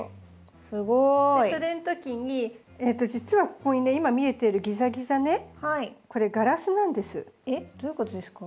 すごい。それのときに実はここにね今見えてるギザギザねこれえっどういうことですか？